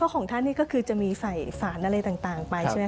ของท่านนี่ก็คือจะมีใส่สารอะไรต่างไปใช่ไหม